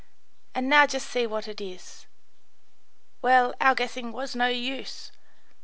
And now just see what it is. Well, our guessing was no use.